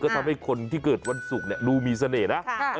ทำให้คนที่เกิดวันศุกร์ดูมีเสน่ห์นะ